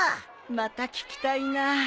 また聴きたいな。